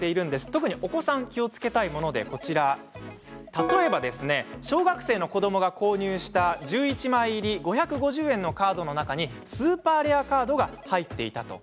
特に、お子さんが気をつけたいもので、例えば小学生の子どもが購入した１１枚入り５５０円のカードの中にスーパーレアカードが入っていたと。